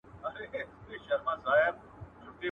هره ټولنیزه پېښه یو ځانګړی علت لري.